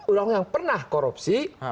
orang yang pernah korupsi